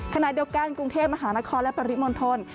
ขณะเดียวกันกรุงเทพมหานครและปริมณฑล